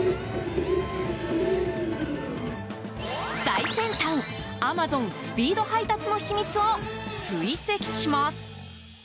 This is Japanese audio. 最先端、アマゾンスピード配達の秘密を追跡します。